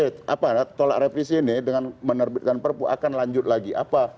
tolak revisi ini dengan menerbitkan perpu akan lanjut lagi